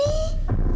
sudah belasan tahun